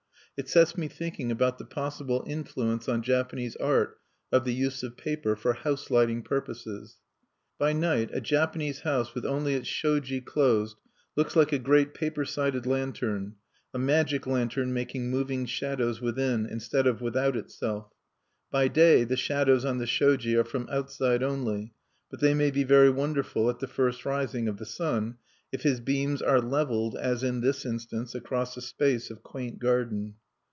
it sets me thinking about the possible influence on Japanese art of the use of paper for house lighting purposes. By night a Japanese house with only its shoji closed looks like a great paper sided lantern, a magic lantern making moving shadows within, instead of without itself. By day the shadows on the shoji are from outside only; but they may be very wonderful at the first rising of the sun, if his beams are leveled, as in this instance, across a space of quaint garden.